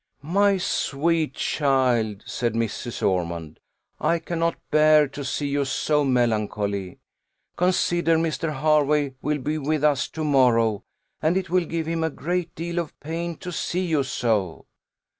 "My sweet child," said Mrs. Ormond, "I cannot bear to see you so melancholy; consider, Mr. Hervey will be with us to morrow, and it will give him a great deal of pain to see you so."